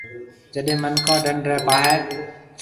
جڏي منِکون ڊنڍ رَي پاھيََََ۔